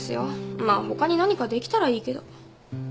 まあほかに何かできたらいいけど。